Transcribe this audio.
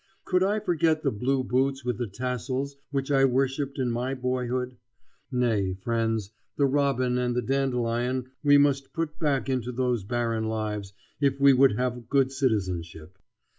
Could I forget the blue boots with the tassels which I worshipped in my boyhood? Nay, friends, the robin and the dandelion we must put back into those barren lives if we would have good citizenship.